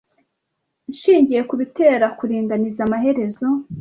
Nshingiye kubitera kuringaniza amaherezo,